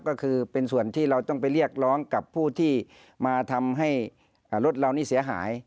ก็คือเป็นส่วนที่เราต้องไปเรียกร้องกับผู้ที่มาทำให้รถเรานี่เสียหาย